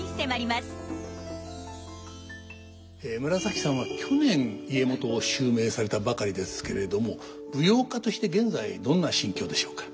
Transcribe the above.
紫さんは去年家元を襲名されたばかりですけれども舞踊家として現在どんな心境でしょうか？